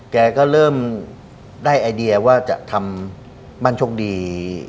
แกก็เริ่มได้ไอเดียว่าจะทำมั่นโชคดี